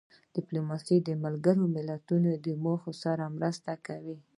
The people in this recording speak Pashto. ډیپلوماسي د ملګرو ملتونو د موخو سره مرسته کوي.